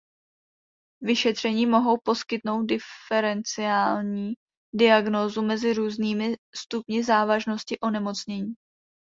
Vyšetření mohou poskytnout diferenciální diagnózu mezi různými stupni závažnosti onemocnění.